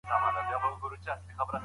رېدي د خپل زوی مخ و نه لید.